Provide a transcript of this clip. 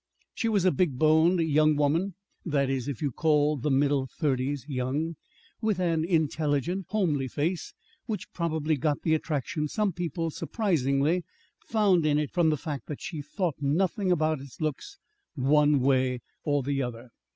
She was a big boned young woman (that is, if you call the middle thirties young), with an intelligent, homely face, which probably got the attraction some people surprisingly found in it from the fact that she thought nothing about its looks one way or the other.